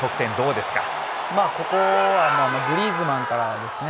まあここはグリーズマンからですね